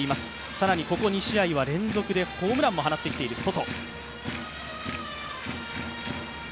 更にここ２試合は連続でホームランも放ってきているソト。